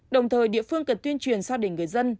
đồng thời địa phương cần tuyên truyền xác định người dân